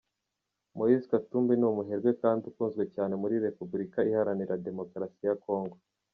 Moise Katumbi ni umuherwe kandi ukunzwe cyane muri Repubulika Iharanira Demokarasi ya Congo.